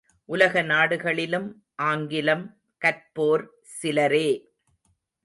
உலக நாடுகளிலும் ஆங்கிலம், கற்போர் சிலரே!